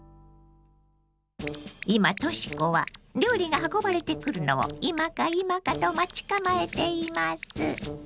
今とし子は料理が運ばれてくるのを今か今かと待ち構えています。